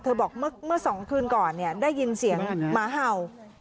บอกเมื่อ๒คืนก่อนได้ยินเสียงหมาเห่า